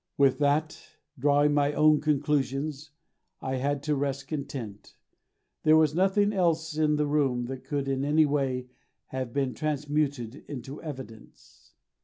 With that, drawing my own conclusions, I had to rest content there was nothing else in the room that could in any way have been transmuted into evidence.